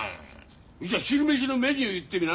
じゃ昼飯のメニュー言ってみな。